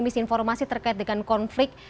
misinformasi terkait dengan konflik